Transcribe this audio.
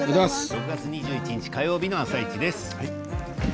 ６月２１日火曜日の「あさイチ」です。